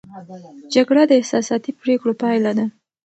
جګړه د احساساتي پرېکړو پایله ده.